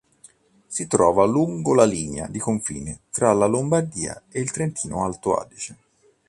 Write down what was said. Si trova lungo la linea di confine tra la Lombardia ed il Trentino-Alto Adige.